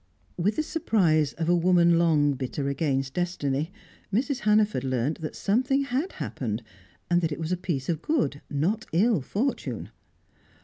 With the surprise of a woman long bitter against destiny, Mrs. Hannaford learnt that something had happened, and that it was a piece of good, not ill, fortune.